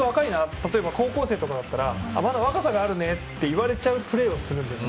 例えば高校生とかならまだ若さがあるねと言われちゃうプレーをするんですね。